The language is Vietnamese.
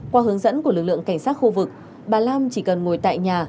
qua hướng dẫn của lực lượng cảnh sát khu vực bà lam chỉ cần ngồi tại nhà